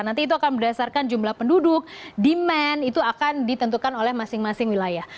nanti itu akan berdasarkan jumlah penduduk demand itu akan ditentukan oleh masing masing wilayah